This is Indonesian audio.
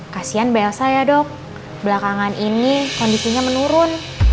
kasian mbak elsa ya dok belakangan ini kondisinya menurun